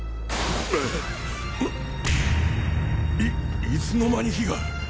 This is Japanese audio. プハッいいつの間に火が！？